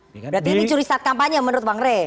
berarti ini curi saat kampanye menurut bang rey